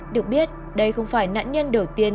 được biết đây không phải nạn nhân đầu tiên bị ảnh hưởng